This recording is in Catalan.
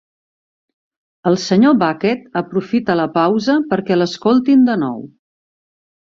El senyor Bucket aprofita la pausa perquè l'escoltin de nou.